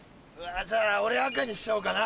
じゃあ俺は赤にしちゃおうかな。